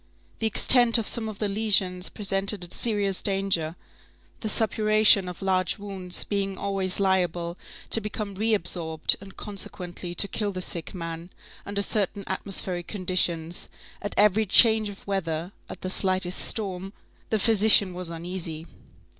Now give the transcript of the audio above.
The extent of some of the lesions presented a serious danger, the suppuration of large wounds being always liable to become re absorbed, and consequently, to kill the sick man, under certain atmospheric conditions; at every change of weather, at the slightest storm, the physician was uneasy.